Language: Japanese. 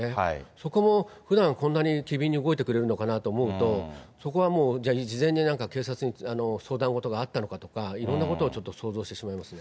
そこもふだん、こんなに機敏に動いてくれるのかなと思うと、そこはもうじゃあ、事前になんか警察に相談事があったのかとか、いろんなことをちょっと想像してしまいますね。